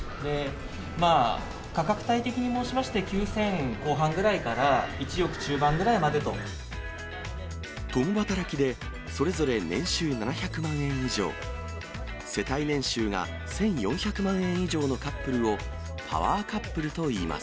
まあ、価格帯的に申しまして、９０００後半ぐらいから１億中盤ぐらいま共働きでそれぞれ年収７００万円以上、世帯年収が１４００万円以上のカップルをパワーカップルといいます。